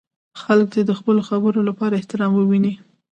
خلک دې د خپلو خبرو لپاره احترام وویني.